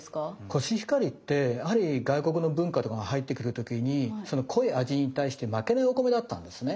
コシヒカリってやはり外国の文化とかが入ってくる時にその濃い味に対して負けないお米だったんですね。